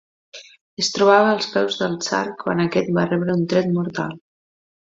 Es trobava als peus del tsar quan aquest va rebre un tret mortal.